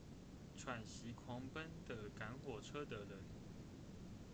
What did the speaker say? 喘息狂奔的趕火車的人